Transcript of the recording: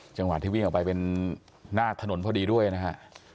จังหวะที่วิ่งออกไปเป็นหน้าถนนพอดีด้วยนะฮะ